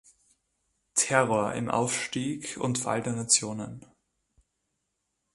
Terror im Aufstieg und Fall der Nationen".